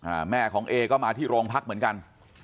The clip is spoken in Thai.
แม่ของเอก็มาที่โรงพักเหมือนกัน